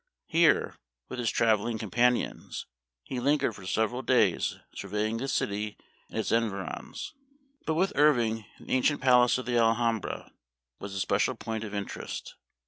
Here, with his traveling companions, he lingered for several days surveying the city and its envirous. But with Irving the ancient palace of the Alhambra was the special point of interest.